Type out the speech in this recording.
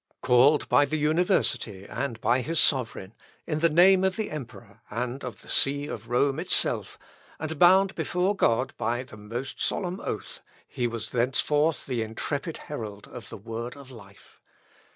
Called by the university and by his sovereign, in the name of the emperor, and of the See of Rome itself, and bound before God, by the most solemn oath, he was thenceforth the intrepid herald of the word of life.